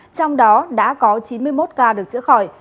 trong đó đã có chín mươi một ca được chữa khỏi